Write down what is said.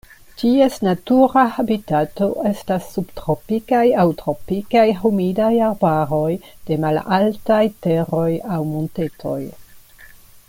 Ties natura habitato estas subtropikaj aŭ tropikaj humidaj arbaroj de malaltaj teroj aŭ montetoj.